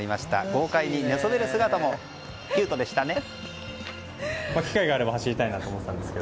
豪快に寝そべる姿もキュートでしたね。